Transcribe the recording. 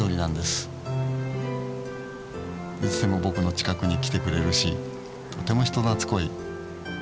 いつも僕の近くに来てくれるしとても人懐こいいい子だよね。